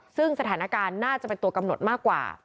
ซึ่งสถานการณ์น่าจะเป็นตัวกำหนดมากกว่า